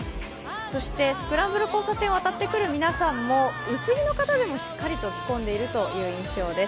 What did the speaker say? そして、スクランブル交差点渡ってくる皆さんも薄着の方でもしっかりと着込んでいる印象です。